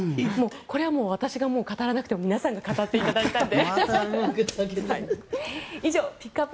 これはもう私が語らなくても皆さんが語っていただいたので。